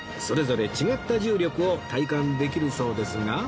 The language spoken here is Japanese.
それぞれ違った重力を体感できるそうですが